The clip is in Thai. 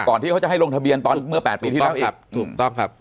ก่อนที่เขาจะให้ลงทะเบียนตอนเมื่อแปดปีที่แล้วอีกถูกต้องครับถูกต้องครับ